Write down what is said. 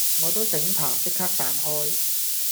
我都醒爬即刻彈開